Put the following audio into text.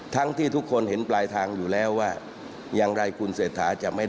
ที่ทุกคนเห็นปลายทางอยู่แล้วว่าอย่างไรคุณเศรษฐาจะไม่